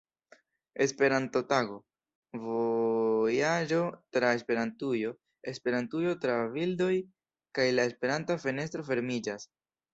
Esperanto-Tago, Vojaĝo tra Esperantujo, Esperantujo tra bildoj kaj La Esperanta fenestro fermiĝas.